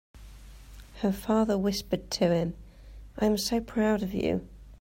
Her father whispered to him, "I am so proud of you!"